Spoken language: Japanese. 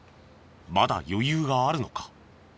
まだ余裕があるのか？